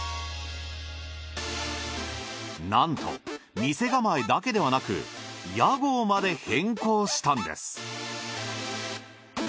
なんと店構えだけではなく屋号まで変更したんです。